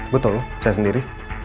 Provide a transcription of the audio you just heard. betul saya sendiri